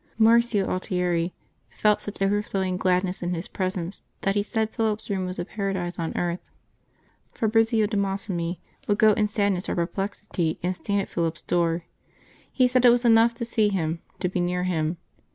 Marcio Altieri felt such overflowing gladness in his presence that he said Philip's room was a paradise on earth. Fabrizio de Massimi would go in sadness or perplexity and stand at Philip's door ; he said it was enough to see him, to be near him.